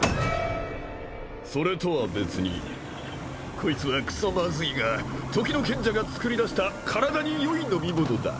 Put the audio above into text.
それとは別にこいつはクソマズいが時の賢者が作り出した体によい飲み物だ